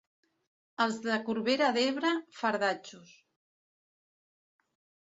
Els de Corbera d'Ebre, fardatxos.